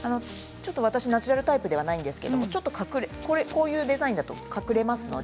私、ナチュラルタイプではないんですけれど私の着ている洋服のものだと隠れますね。